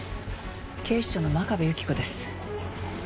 警視庁の真壁有希子です。